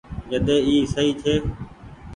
جڏي اي سئي ڇي۔